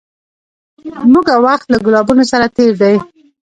موږه وخت له ګلابونو سره تېر دی